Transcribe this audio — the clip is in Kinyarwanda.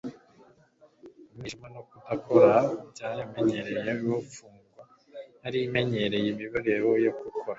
Umwijima no kudakora byaremereye iyo mfungwa yari imenyereye imibereho yo gukora.